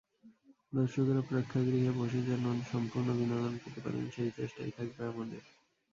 দর্শকেরা প্রেক্ষাগৃহে বসে যেন সম্পূর্ণ বিনোদন পেতে পারেন, সেই চেষ্টাই থাকবে আমাদের।